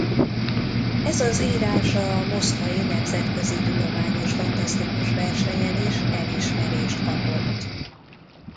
Ez az írása a moszkvai nemzetközi tudományos-fantasztikus versenyen is elismerést kapott.